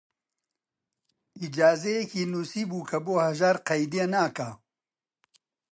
ئیجازەیەکی نووسیبوو کە بۆ هەژار قەیدێ ناکا